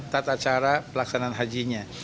tata cara pelaksanaan hajinya